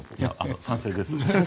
賛成です。